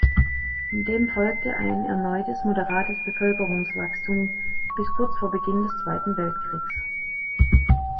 Dem folgte ein erneutes, moderates Bevölkerungswachstum bis kurz vor Beginn des Zweiten Weltkriegs.